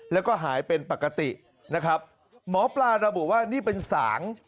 แล้วก็หายเป็นปกตินะครับหมอปลาระบุว่านี่เป็นสาง